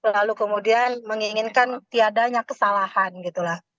lalu kemudian menginginkan tiadanya kesalahan gitu lah